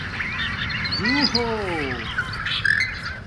جُݸہو